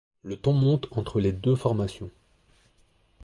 Le ton monte entre les deux formations.